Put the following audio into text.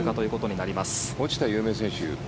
落ちた有名選手